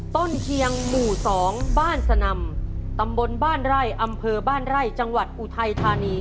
เคียงหมู่๒บ้านสนำตำบลบ้านไร่อำเภอบ้านไร่จังหวัดอุทัยธานี